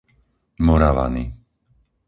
Moravany